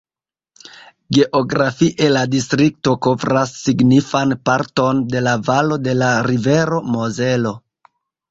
Geografie la distrikto kovras signifan parton de la valo de la rivero Mozelo.